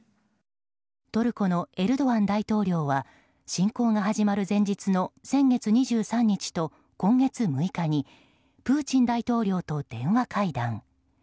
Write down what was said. トルコのエルドアン大統領は侵攻が始まる前日の先月２３日と今月６日にプーチン大統領と電話会談。